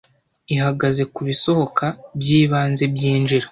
ihagaze kubisohoka Byibanze Byinjira